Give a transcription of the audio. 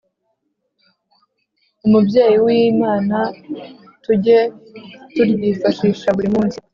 umubyeyi w’imana tujye turyifashisha buri munsi